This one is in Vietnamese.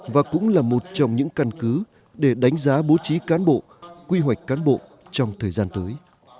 và cũng là một trong những căn cứ để đánh giá bố trí cán bộ quy hoạch cán bộ trong thời gian tới